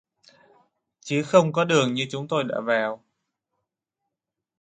Chứ không có đường như chúng tôi đã vào